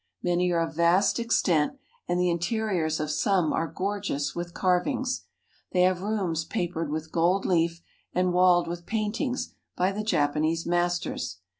Many are of vast extent, and the interiors of some are gorgeous with carvings. They have rooms papered with gold leaf and walled with paintings by the Japanese masters.